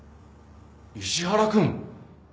石原君。